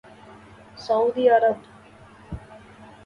سعودی عرب